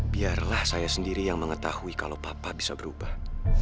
biarlah saya sendiri yang mengetahui kalau papa bisa berubah